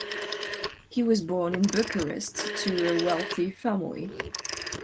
He was born in Bucharest to a wealthy family.